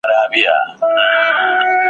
مړی نه وو یوه لویه هنګامه وه ,